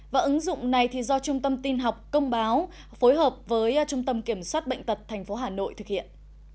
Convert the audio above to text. và ứng dụng này thì do trung tâm tin học công báo phối hợp với trung tâm kiểm soát bệnh tật thành phố hà nội thực hiện